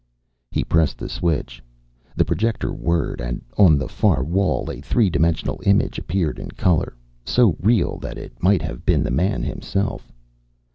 He pressed a switch. The projector whirred, and on the far wall a three dimensional image appeared in color, so real that it might have been the man himself.